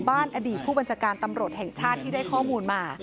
อดีตผู้บัญชาการตำรวจแห่งชาติที่ได้ข้อมูลมา